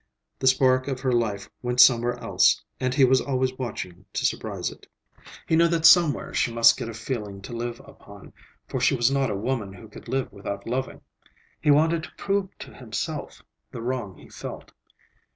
The spark of her life went somewhere else, and he was always watching to surprise it. He knew that somewhere she must get a feeling to live upon, for she was not a woman who could live without loving. He wanted to prove to himself the wrong he felt.